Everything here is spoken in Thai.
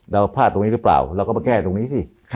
เราพลาดตรงนี้หรือเปล่าเราก็มาแก้ตรงนี้สิ